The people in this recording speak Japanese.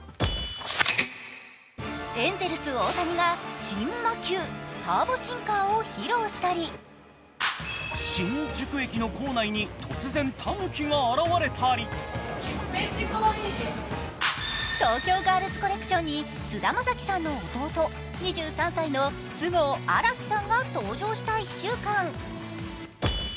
エンゼルス・大谷が新魔球、ターボシンカーを披露したり新宿駅の構内に突然、たぬきが現れたり東京ガールズコレクションに菅田将暉さんの弟、２３歳の菅生新樹さんが登場した１週間。